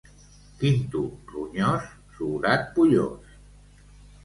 Quinto ronyós, soldat pollós.